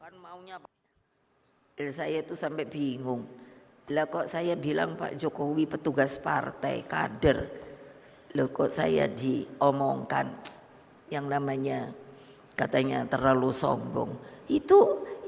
dia mengatakan saya tidak bisa menjadi ketumum partai